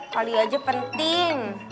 kali aja penting